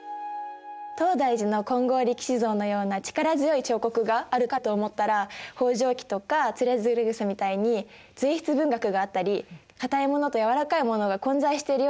東大寺の金剛力士像のような力強い彫刻があるかと思ったら「方丈記」とか「徒然草」みたいに随筆文学があったり硬いものと軟らかいものが混在しているような印象があった。